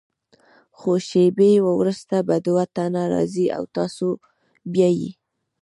څو شیبې وروسته به دوه تنه راځي او تاسو بیایي.